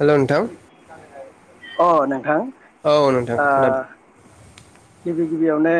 हेल' नोंथां [unintelligible] अ नोंथां औ नोंथां ओ खोनादों। गिबि गिबियावनो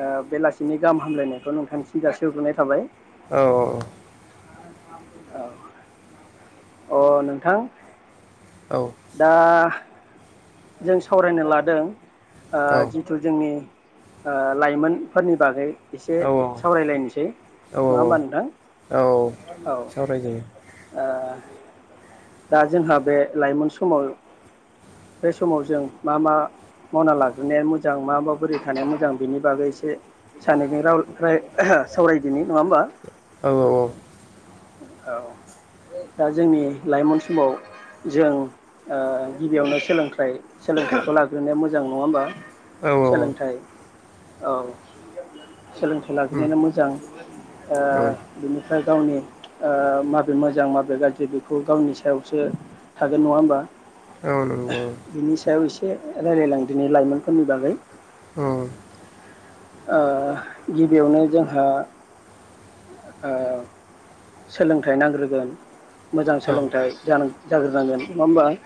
ओ बेलासिनि गाहाम हामलायनायखौ नोंथांनिसिम हग्रोनाय थाबाय। औ औ औ औ अ नोंथां औ दा जों सावरायनो लादों। आ औ जिथु जोंनि आ लाइमोनफोरनि बागै एसे औ सावरायलायनोसै औ नङा होमबा नोंथां औ औ ओ सावरायजायो दा जोंहा बे लाइमोन समाव बे समाव जों मा मा मावना लाग्रोनाया मोजां? मा मा बोरै थानाया मोजां? बेनि बागै एसे सानैजों राव राय सावरायदिनि नङा होमबा। औ औ दा जोंनि लाइमोन समाव जों ओ गिबियावनो सोलोंथाइ सोलोंथाइखौ लाग्रोनाया मोजां नङा होमबा। औ औ सोलोंथाइ औ सोलोंथाइ उम लागिनायानो मोजां ओ औ बेनिफ्राय गावनि माबे मोजां माबे गाज्रि बेखौ गावनि सायावसो थागोन नङा होमबा औन औ रायलायलां दि लाइमोनफोरनि बागै औ गिबियावनो जोंहा सोलोंथाइ नांग्रोगोन मोजां औ सोलोंथाइ जानांग जाग्रोनांगोन नङा होमबा [inaudible] इ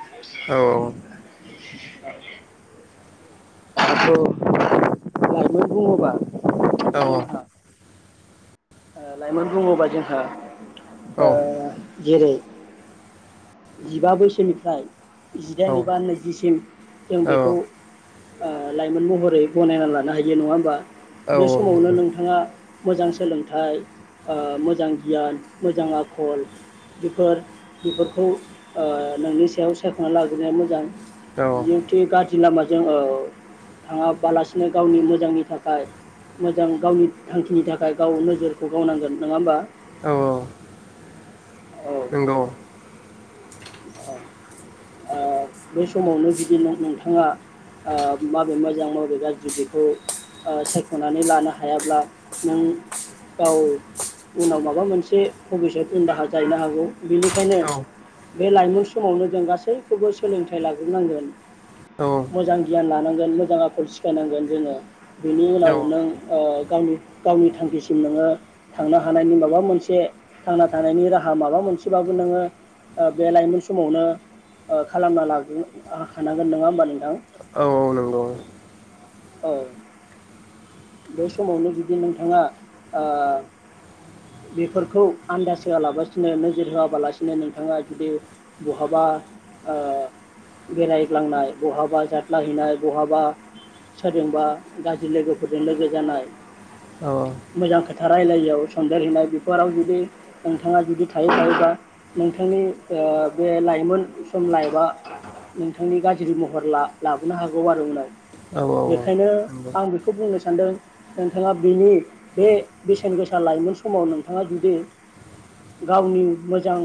औ नंगौ आखौ लाइमोन बुङोबा औ औ ओ लाइमोन बुङोबा जोंहा ओह जेरै जिबा बोसोनिफ्राय जिदाइन एबा नैजिसिम जों बेखौ ओ लाइमोन महरै बनायना लानो हायो नङा होमबा बे समावनो नोंथाङा मोजां सोलोंथाइ मोजां गियान मोजां आखल बेफोर बेफोरखौ ओह नोंनि सायाव सायख'ना लाग्रोनाया मोजां जिहते गाज्रि लामाजों जोङो थाङाबालासिनो गावनि मोजांनि थाखाय मोजां गावनि थांखिनि थाखाय गाव नोजोरखौ गावनांगोन नङा होमबा औ औ औ नंगौ ओ बै समावनो जुदि नोंथाङा माबे मोजां माबे गाज्रि बेखौ सायख'नानै लानो हायाब्ला नों गाव उनाव माबा मोनसे भबिसत उन दाहा जाहैनो हागौ बेनिखायनो औ नंगौ औ बे लाइमोन समावनो जों गासैबो गासैखौबो सोलोंथाइ लाग्रोनांगोन औ मोजां गियान लानांगोन मोजां आखल सिखायनांगोन जोङो बेनि औ उनाव नों ओ गावनि गावनि थांखिसिम नोङो थांनो हानायनि माबा मोनसे थांना थानायनि राहा माबा मोनसेबाबो नोङो बे लाइमोन समावनो खालामना लाग्रो हानांगोन नङा होमबा नोंथां नंगौ औ बे समावनो जुदि नोंथाङा बेफोरखौ ओ आन्दाज होआलाबसिनो नोजोर होआबालासिनो नोंथाङा जुदि बहाबा बेरायग्लांनाय बहाबा जादलाहैनाय बहाबा सोरजोंबा गाज्रि लोगोफोर फोरजों लोगो जानाय औ औ मोजां खोथा रायलायआव सन्देरहैनाय बेफोराव जुदि नोंथाङा जुदि थायो थायोबा नोंथांनि बे लाइमोन सम लाइफआ नोंथांनि गाज्रि महर लाबोनो हागौ आरो उनाव औ औ नंगौ औ बेखायनो आं खौ बुंनो सानदों नोंथाङा बेनि बे बेसेन गोसा लाइमोन समाव नोंथाङा जुदि गावनि मोजां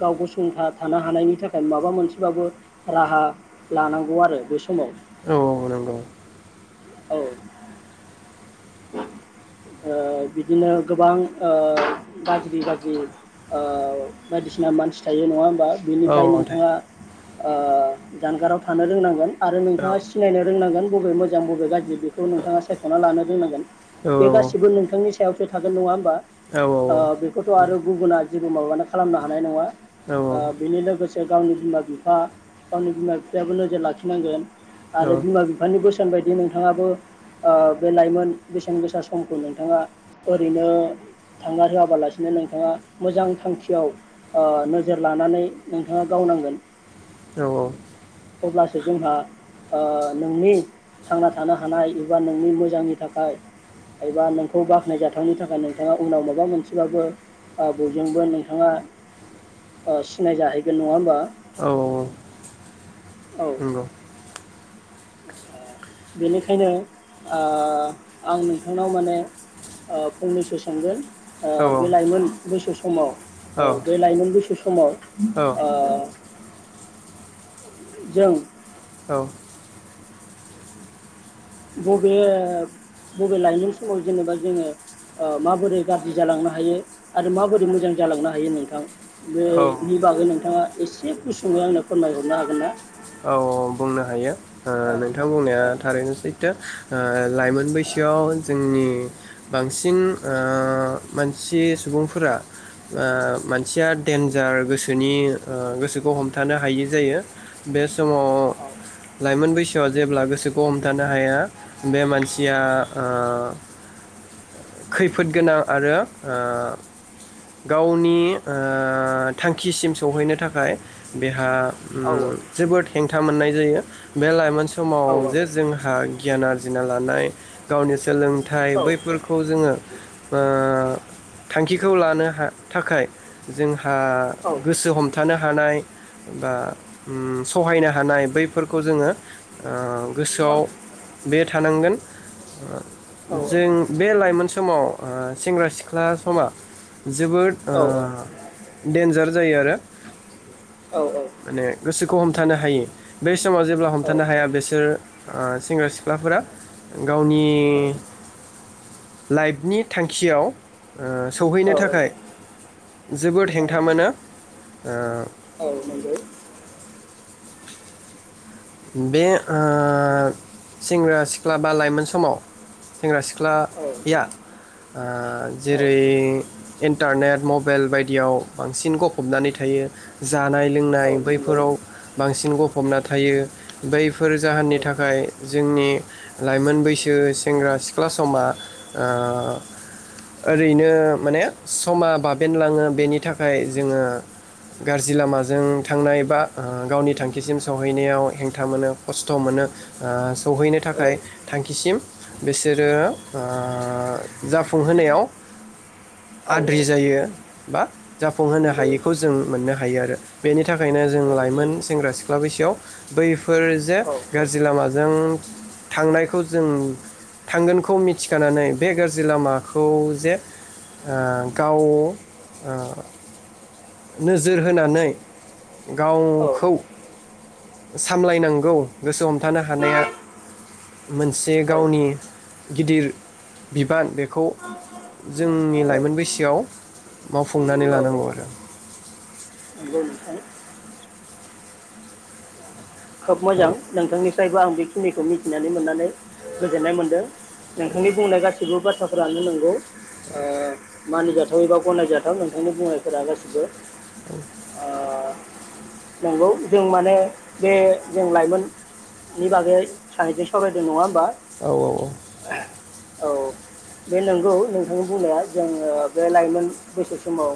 गाव गसंथा थानो हानायनि थाखाय माबा मोनसेबाबो राहा लानांगौ आरो बे समाव औ औ नंगौ औ ओ बिदिनो गोबां ओ गाज्रि गाज्रि ओ बायदिसिना मानसि थायो नङा होमबा औ बेनिफ्राय दे नोंथाङा ओ जानगाराव थानो रोंनांगोन आरो औ नोंथाङा सिनायनो रोंनांगोन बबे मोजां बबे गाज्रि बेखौ नोंथाङा सायख'ना लानो रोंनांगोन औ बे गासिबो नोंथांनि सायावसो थागोन नङा होमबा औ ओ बेखौथ' आरो गुबुना जेबो माबानानै खालामनो हानाय नङा ओ बेनि लोगोसे गावनि बिमा बिफा गावनि बिमा बिफायाबो नोजोर लाखिनांगोन आरो बिमा बिफानि बोसोन बायदि नोंथाङाबो ओ लाइमोन बेसेन गोसा समखौ नोंथाङा ओरैनो थांगार होआ बालासिनो नोंथाङा मोजां थांखियाव ओ नोजोर लानानै नोंथाङा गावनांगोन औ अब्लासो जोंहा ओ नोंनि थांना थानो हानाय एबा नोंनि मोजांनि थाखाय एबा नोंखौ बाख्नायजाथावनि थाखाय नोंथाङा उनाव माबा मोनसेबाबो बयजोंबो नोंथाङा सिनायजाहैगोन नङा होमबा औ औ। नंगौ बेनिखायनो ओ आं नोंथांनाव माने फंनैसो सोंगोन औ बे लाइमोन बैसो समाव औ बे लाइमोन बैसो समाव औ जों औ बबे बबे लाइमोन समाव जेनेबा जोङो माबोरै गाज्रि जालांनो हायो आरो माबोरै मोजां जालांनो हायो नोंथां औ बेनि बागै नोंथाङा एसे गुसुङै आंनो फोरमायहरनो हागोन ना औ बुंनो औ नोंथां बुंनाया थारैनो सै लाइमोन बैसोआव जोंनि बांसिन मानसि सुबुंफोरा मानसिया डेनजार गोसोनि गोसोखौ हमथानो हायि जायो बे समाव लाइमोन बैसोआव जेब्ला गोसोखौ हमथानो हाया बे मानसिया खैफोद गोनां आरो गावनि थांखिसिम सहैनो थाखाय बेहा औ ओम जेबो हेंथा मोननाय जायो बे लायमोन मोनसे औ समाव जे जोंहा गियान आरजिना लानाय गावनि सोलोंथाइ बैफोरखौ जोंङो थांखिखौ लानो थाखाय जोंहा औ गोसो हमथानो हानाय बा सहायनो हानाय बैफोर जोंङो गोसोआव बे थानांगोन औ जों बे लाइमोन समाव सेंग्रा सिख्ला समा जोबोद औ डेन्जार जायो आरो औ माने गोसोखौ हमथानो हायो बे समाव जेब्ला औ हमथानो हाया बिसोर सेंग्रा सिख्लाफोरा गावनि लाइफनि थांखियाव औ सौहैनो थाखाय जोबोद औ हेंथा मोनो औ नंगौ बे सेंग्रा सिख्ला बा लाइमोन समाव सेंग्रा औ सिख्लाया औ जेरै इन्टारनेट मबाइल बायदियाव बांसिन गफबनानै थायो जानाय औ लोंनाय नंगौ बैफोराव बांसिन गफबना थायो बैफोर औ जाहोननि थाखाय जोंनि लाइमोन बैसो सेंग्रा सिख्ला समा ओरैनो माने समा बाबेन लांङो बेनि थाखाय जोंङो गाज्रि लामाजों थांनाय बा गावनि थांखिसिम सहैनायाव हेंथा खोथा मोनो खस्थ मोनो ओ सौहैनो थाखाय थांखिसिम बिसोरो ओ जाफुंहोनायाव औ नंगौ आद्रि जायो बा औ जाफुंहोनो नंगौ हायैखौ जों मोननो हायो आरो बेनि थाखायनो जों लाइमोन सेंग्रा सिख्ला बैसोआव बैफोर जे गाज्रि लामाजों थांनायखौ जों थांगोनखौ मिथिखानानै बे गाज्रि लामाखौ जे गाव नोजोर होनानै औ गावखौ सामलायनांगौ गोसो हमथानो हानाया मोनसे औ औ गावनि गिदिर बिबान बेखौ औ जोंनि लाइमोन बैसोआव मावफुंनानै औ लानांगौ आरो नंगौ नोंथां खोब औ मोजां नोंथांनिफ्रायबो आं बे खिनिखौ मिथिनानै मोननानै गोजोननाय मोन्दों नोंथांनि बुंनाय गासिबो बाथ्रा फोरानो नांगौ ओ मानिजाथाव एबा गनायजाथाव नोंथांनि बुंनायफोरा गासिबो औ ओ नंगौ जों माने बे जों लाइमोननि बागै सानैजों सावरायदों नंङा औ औ औ औ बे नंगौ नोंथांनि बुंनाया जोंङो बे लाइमोन बैसो समाव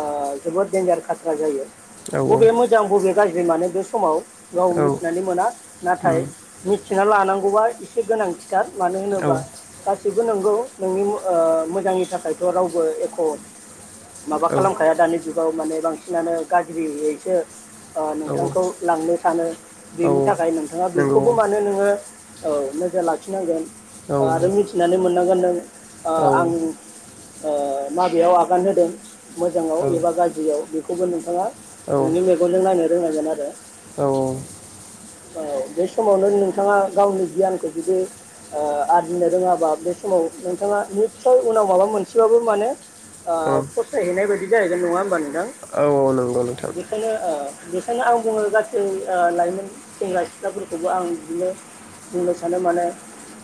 ओ जोबोद डेन्जार खाथ्रा जायो। औ औ बबे मोजां बबे गाज्रि मानो बे समाव गाव औ उम मिथिनानै मोना नाथाय थिना लानांगौबा एसे गोनांथि। साद मानो औ होनोबा गासै नोंगौ नोंनि ओ मोजांनि थाखायथ रावबो एख' माबा औ खालामखाया दानि जुगाव माने बांसिनानो गाज्रियैसो। ओ औ नोंथांखौ लांनो सानो औ बेनि थाखाय नोंथाङा नंगौ बेखौबो मानो नोङो औ नोजोर लाखिनांगोन औ आरो मिथिनानै मोन [unintelligible] ओ औ आं ओ माबेयाव आगान होदों मोजाङाव एबा गाज्रियाव बे खौबो नोंथाङा औ नोंनि मेगनजों नायनो रोंनांगोन आरो। औ औ बे समावनो नोंथाङा गावनि गियानखौ जुदि ओ आरजिनो रोङाबा बे समाव नोंथाङा निस्सय उनाव माबा मोनसेबाबो माने आ फस्थायहैनाय बाय दि जाहैगोन नङा होमबा नों औ औ नंगौ नोंथां। बेखायनो आं बुङो गा सै ओ लाइमोन सेंग्रा सिख्लाफोरखौबो आं बिदिनो बुंनो सानो माने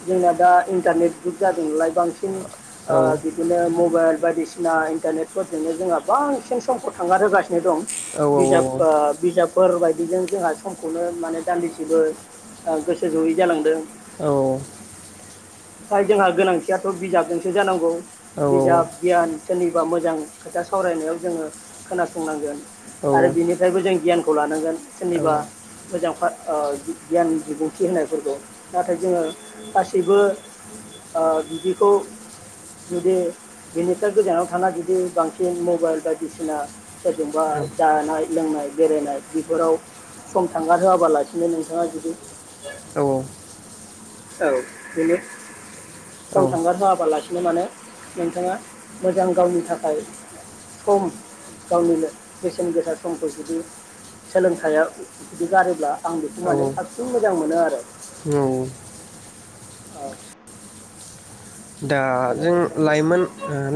जोंना दा इन्टारनेट जुग जादों नालाय बांसिन ओ औ बिदिनो म बाइल बायदिसिना इन्टारनेटफोरजोंनो जोंहा बांसिन समखौ थांगारहोगा सिनो दं औ औ बिजाब ओ बिजाब फोर बाय दिनो जोंहा समखौनो माने दान्दिसेबो ओ गोसो जयै जालांदों। औ ओमफ्राय जोंहा गोनांथियाथ' बिजाबजोंसो जानांगौ औ बिजाब गियान सोरनिबा मोजां खोथा सावरायनायाव जोङो खोनासंनांगोन आरो बिनिफ्रायबो जों गियान खौ लानांगोन। सोरनिबा मोजां ओ गियान बिबुंथि होनायफोरखौ नाथाय जोङो गासैबो ओ बिदिखौ जुदि बिनिफ्राय गोजानाव थाना जुदि बांसिन मबाइल बायदिसिना सोरजोंबा जानाय लोंनाय बेरायनाय बेफोराव सम थांगारहोआबालासिनो नोंथाङा जुदि औ औ औ बिनो सम थांगार होआबालासि माने नोंथाङा मोजां गावनि थाखाय सम गावनिनो बेसेन गोसा समखौ जुदि सोलों फिथाया जुदि गारोब्ला आं बेखौ औ माने साबसिन मोजां मोनो आरो औ औ औ दा जों लाइमोन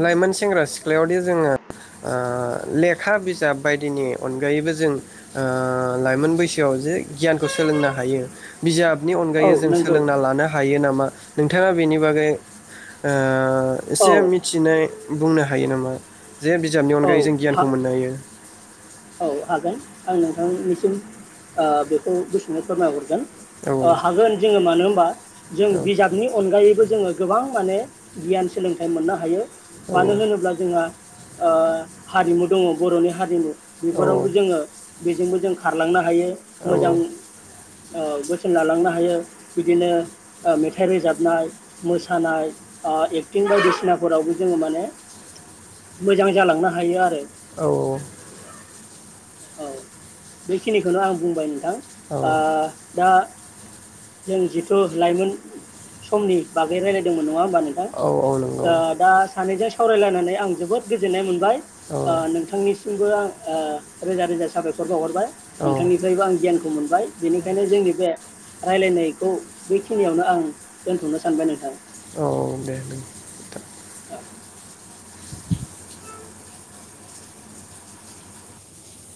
लाइमोन सेंग्रा सिख्लायावदि जोङो ओ लेखा बिजाब बायदिनि अनगायैबो जों ओ लाइमोन बैसोआव जे गियानखौ सोलोंनो हायो बिजाबनि औ अनगायै जों नंगौ सोलोंना लानो हायो नामा नोंथाङा बेनि बागै ओ औ एसे मिथिनाय बुंनो हा हायो नामा जे बिजाबनि औ अनगायै जों गियानखौ मोननो हायो हा हागोन आं नोंथांनिसिम बेखौ बुसुनो फोरमायहरगोन औ हागोन जोङो मा नो होमबा जों औ बिजाबनि अनगायै खौ जोङो गोबां माने गियान सोलोंथाइ मोननो हायो मानो होनोब्ला जोंहा ओ हारिमु दङ बर'नि हारिमु औ बेफोरावबो जोङो बेजोंबो जों खारलांनो हायो मोजां ओ बोसोन लालांनो हायो बिदिनो ओ‌ मेथाइ रोजाबनाय मोसानाय ओ एक्टिं बायदिसिनाफोरावबो जोङो माने मोजां जालांनो हायो आरो औ औ बेखिनिखौनो आं बुंबाय नोंथां ओ दा जों जिथु लाइमोन समनि बागै रायलायदोंमोन नङा होमबा नोंथां दा सानैजों सावरायलायनानै आं जोबोद गोजोननाय मोनबाय औ ओ नोंथांनिसिमबो ओ आं रोजा रोजा साबायखर बावाहरबाय औ नोंथांनिफ्रायबो आं गियानखौ मोनबाय बेनिखायनो जोंनि बे रायलायनायखौ बेखिनियावनो आं दोनथ'नो सानबाय नोंथां औ दे औ